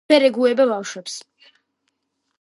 ვერ ეგუება ბავშვებს.